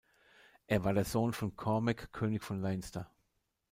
Er war der Sohn von Cormac, König von Leinster.